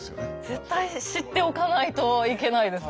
絶対知っておかないといけないですね。